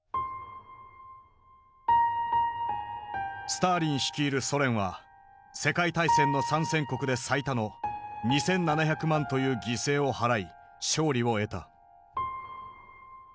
スターリン率いるソ連は世界大戦の参戦国で最多の２，７００万という犠牲を払い勝利を得た。